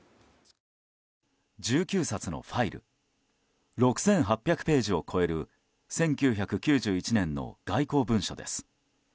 １９冊のファイル６８００ページを超える１９９１年の外交文書です。